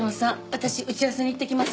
私打ち合わせに行ってきます。